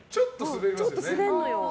ちょっと滑るのよ。